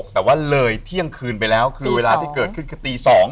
แต่ว่าเลยเที่ยงคืนไปแล้วคือเวลาที่เกิดขึ้นคือตี๒